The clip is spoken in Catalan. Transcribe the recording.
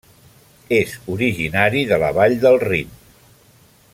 És originari de la vall del Rin.